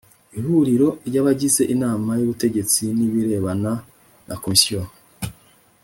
ihuriro ry abagize inama y ubutegetsi n ibirebana na komisiyo